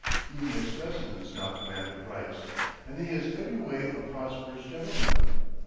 Even his specimens now command a price, and he is every way a prosperous gentleman.